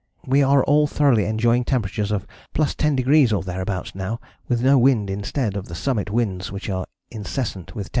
We are all thoroughly enjoying temps. of +10° or thereabouts now, with no wind instead of the summit winds which are incessant with temp.